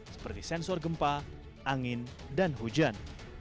seperti sensor gempa angin dan hujan